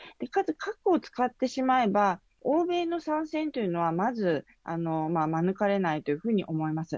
核を使ってしまえば、欧米の参戦というのはまず免れないというふうに思います。